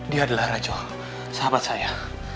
dia adalah rachel sahabat saya